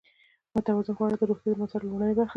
متوازن خواړه د روغتیا د بنسټ لومړۍ برخه ده.